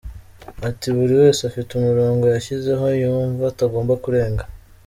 Ati “Buri wese afite umurongo yashyizeho yumva atagomba kurenga.